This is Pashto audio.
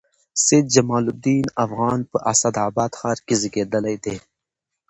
سید جمال الدین افغان په اسعداباد ښار کښي زېږېدلي دئ.